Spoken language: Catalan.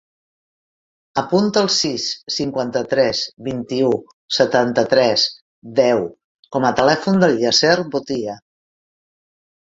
Apunta el sis, cinquanta-tres, vint-i-u, setanta-tres, deu com a telèfon del Yasser Botia.